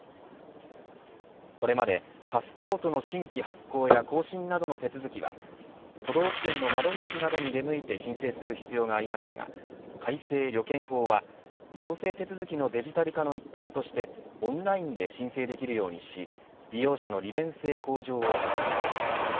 これまでパスポートの新規発行や更新などの手続きは都道府県の窓口などに出向いて申請する必要がありましたが改正旅券法は行政手続きのデジタル化の一環としてオンラインで申請できるようにし利用者の利便性向上を図ります。